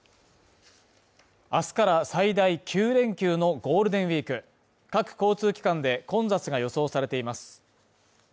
明日から最大９連休のゴールデンウィーク各交通機関で混雑が予想されています。